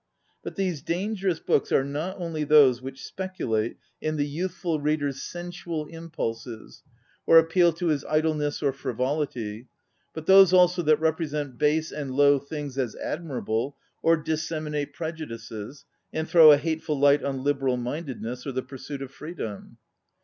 But these dangerous books are not only those which speculate in the youthful 35 ON READING reader's sensual impulses, or appeal to his i(Ueness or frivolity, but those also that represent base and low things as admirable, or disseminate prejudices, and throw a hateful light on liberal mindedness, or the pursuit of freedom.